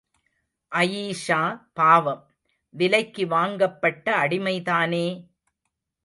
அயீஷா பாவம், விலைக்கு வாங்கப்பட்ட அடிமைதானே!